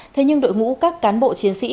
thế nhưng đội ngũ các cán bộ chiến sĩ